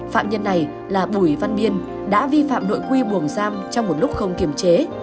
phạm nhân này là bùi văn biên đã vi phạm nội quy buồng giam trong một lúc không kiềm chế